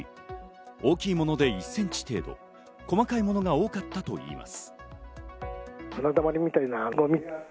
大きいもので１ｃｍ程度、細かいものが多かったといいます。